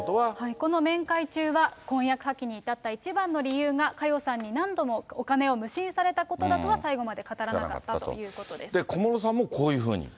この面会中は、婚約破棄に至った一番の理由が、佳代さんに何度もお金を無心されたことだとは最後まで語らなかっ小室さんも、こういうふうに。